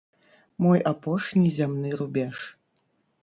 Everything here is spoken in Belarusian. Мой апошні зямны рубеж.